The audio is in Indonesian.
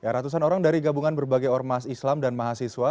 ratusan orang dari gabungan berbagai ormas islam dan mahasiswa